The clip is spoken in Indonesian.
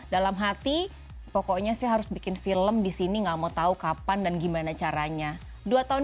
dalam hati pokoknya sih harus bikin film disini nggak mau tahu kapan dan gimana caranya dua tahun